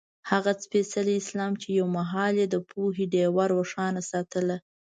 هغه سپېڅلی اسلام چې یو مهال یې د پوهې ډېوه روښانه ساتله.